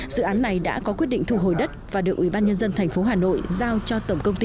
dự án này đã có quyết định thu hồi đất và được ủy ban nhân dân tp hà nội giao cho tổng công ty